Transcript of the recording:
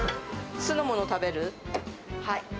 酢の物食べる？